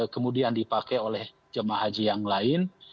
kemudian dipakai oleh jamaah haji yang lain